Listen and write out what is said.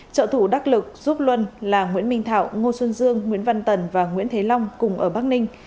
trợ thủ đắc lực giúp luân là nguyễn minh thảo ngô xuân dương nguyễn văn tần và nguyễn thế long cùng ở bắc ninh